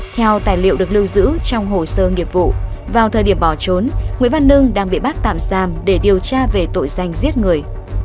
theo tài liệu được lưu giữ trong hồ sơ nghiệp vụ vào thời điểm bỏ trốn nguyễn văn hưng đang bị bắt tạm giam để điều tra về tội danh giết người